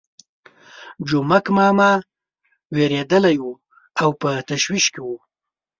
جومک ماما وېرېدلی وو او په تشویش کې وو.